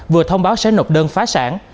vừa thông báo sẽ nộp đơn phá sản